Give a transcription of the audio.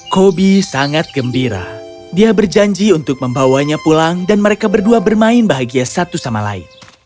kobi sangat gembira dia berjanji untuk membawanya pulang dan mereka berdua bermain bahagia satu sama lain